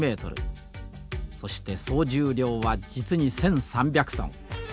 そして総重量は実に１，３００トン。